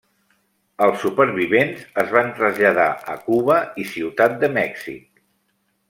Els supervivents es van traslladar a Cuba i Ciutat de Mèxic.